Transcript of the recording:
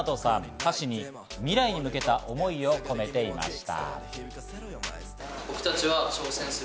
歌詞に未来に向けた思いを込めていました。